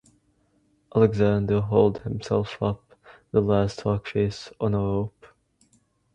Alexander hauled himself up the last rockface on a rope.